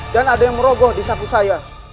dan ada yang merogoh di saku saya